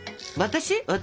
私？